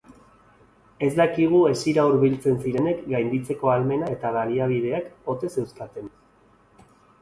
Ez dakigu hesira hurbiltzen zirenek gainditzeko ahalmena eta baliabideak ote zeuzkaten.